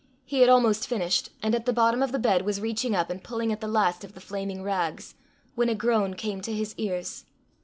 He had almost finished, and, at the bottom of the bed, was reaching up and pulling at the last of the flaming rags, when a groan came to his ears.